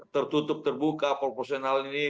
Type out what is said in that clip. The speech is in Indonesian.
tertutup terbuka proporsional ini